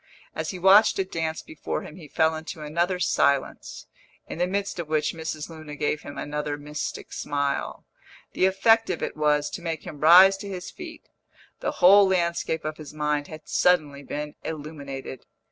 As he watched it dance before him he fell into another silence, in the midst of which Mrs. Luna gave him another mystic smile. The effect of it was to make him rise to his feet; the whole landscape of his mind had suddenly been illuminated.